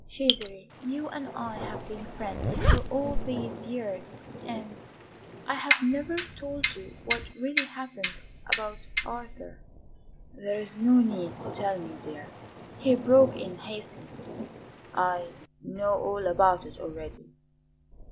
"Cesare, you and I have been friends for all these years, and I have never told you what really happened about Arthur." "There is no need to tell me, dear," he broke in hastily; "I know all about it already."